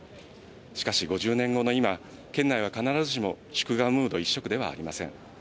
しかし５０年後の今、県内は必ずしも祝賀ムード一色ではありません。